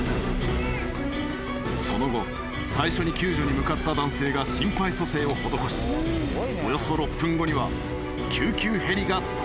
［その後最初に救助に向かった男性が心肺蘇生を施しおよそ６分後には］